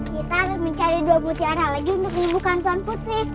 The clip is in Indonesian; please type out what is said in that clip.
kita harus mencari dua putih arah lagi untuk menyembuhkan tuan putri